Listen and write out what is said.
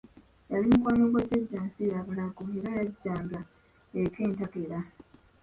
Yali mukwano gwa Jjajja nfiirabulago era yajjanga eka entakera.